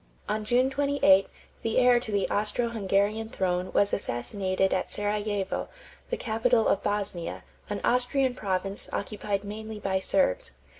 On June 28, the heir to the Austro Hungarian throne was assassinated at Serajevo, the capital of Bosnia, an Austrian province occupied mainly by Serbs.